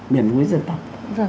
miền nguyên dân tộc